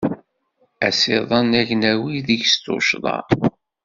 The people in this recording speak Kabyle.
Asiḍen agnawi degs tuccḍa.